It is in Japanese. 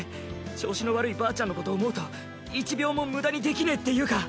調子の悪いばあちゃんのこと思うと一秒も無駄にできねぇっていうか。